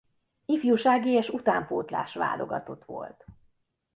Ifjúsági és utánpótlás válogatott volt.